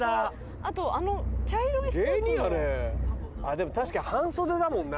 でも確かに半袖だもんな。